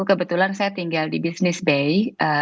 kebetulan saya tinggal di bisnis bay